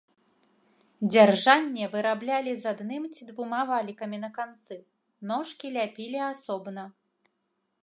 Дзяржанне выраблялі з адным ці двума валікамі на канцы, ножкі ляпілі асобна.